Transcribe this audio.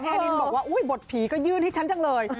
ดินบอกว่าอุ๊ยบทผีก็ยื่นให้ฉันจังเลย